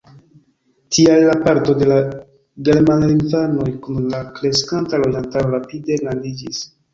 Tial la parto de la germanlingvanoj kun la kreskanta loĝantaro rapide grandiĝis.